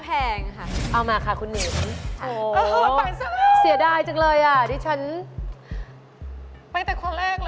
เพิ่งก็เป็นขนาดแรก